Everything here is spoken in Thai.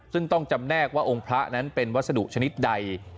ซึ่งต้องจำแนกว่าองค์พระนั้นเป็นวัสดุชนิดใด